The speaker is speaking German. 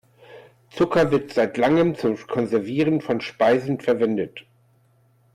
Zucker wird seit langem zum Konservieren von Speisen verwendet.